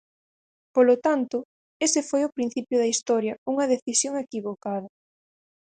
Polo tanto, ese foi o principio da historia, unha decisión equivocada.